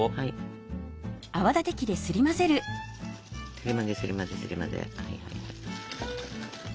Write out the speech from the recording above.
すり混ぜすり混ぜすり混ぜ。